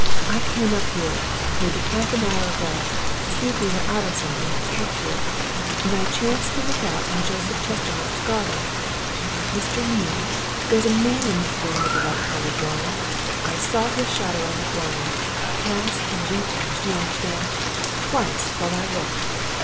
I came up here, maybe half an hour ago, to see if we were out of something that's kept here, and I chanced to look out on to Joseph Chestermarke's garden. Mr. Neale! there's a man in that room with the light coloured blind I saw his shadow on the blind, pass and repass, you understand, twice, while I looked.